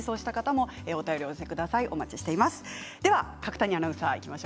お便りお待ちしています。